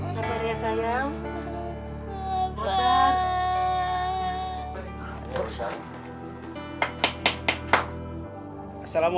tadi bapak agak lama